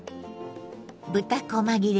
豚こま切れ